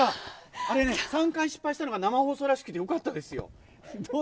あれね、３回失敗したのが生放送らしくてよかったですよ。